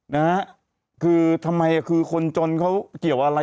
นะฮะคือทำไมคือคนจนเขาเกี่ยวอะไร